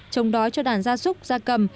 chống đói cho đàn gia giúp